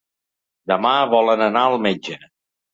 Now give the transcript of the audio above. Demà volen anar al metge.